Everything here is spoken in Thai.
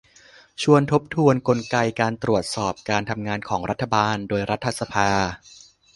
ชวนทบทวนกลไกการตรวจสอบการทำงานของรัฐบาลโดยรัฐสภา